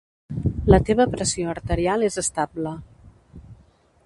La teva pressió arterial és estable.